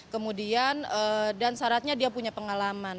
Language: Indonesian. kemudian dan syaratnya dia punya pengalaman